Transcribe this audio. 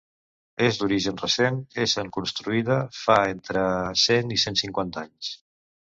És d'origen recent, essent construïda fa entre cent i cent cinquanta anys.